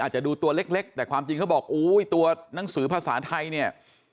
จะดูตัวเล็กแต่ความจริงเขาบอกอุ้ยตัวหนังสือภาษาไทยเนี่ย